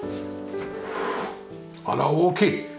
あら大きい！